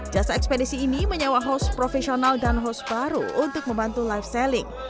jasa ekspedisi ini menyewa host profesional dan host baru untuk membantu live selling